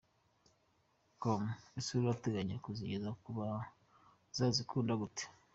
com: Ese urateganya kuzigeza kubazazikunda gute?.